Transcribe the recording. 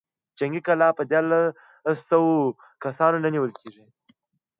جنګي کلا په ديارلسو سوو کسانو نه نېول کېږي.